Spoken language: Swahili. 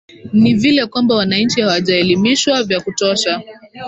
ni vile kwamba wananchi hawajaelimishwa vya kutosha